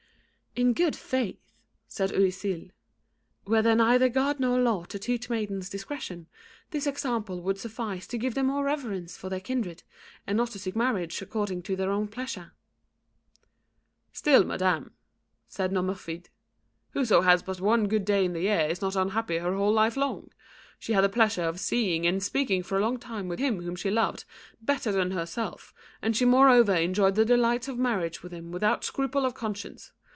"In good faith," said Oisille, "were there neither God nor law to teach maidens discretion, this example would suffice to give them more reverence for their kindred, and not to seek marriage according to their own pleasure." "Still, madam," said Nomerfide, "whoso has but one good day in the year, is not unhappy her whole life long. She had the pleasure of seeing and speaking for a long time with him whom she loved better than herself, and she moreover enjoyed the delights of marriage with him without scruple of conscience.